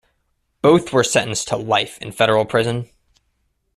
Both were sentenced to life in federal prison.